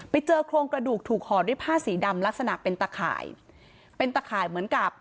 ไปเจอโครงกระดูกถูกห่อด้วยผ้าสีดำลักษณะเป็นตะข่ายเป็นตะข่ายเหมือนกับ